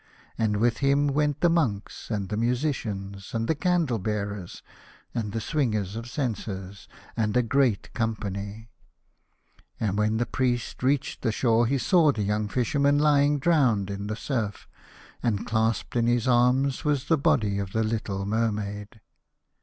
And with him went the monks and the musicians, and the candle bearers, and the swingers of censers, and a great company. And when the Priest reached the shore he saw the young F'isherman lying drowned in 124 The Fisherman and his Soul. the surf, and clasped in his arms was the body of the little Mermaid.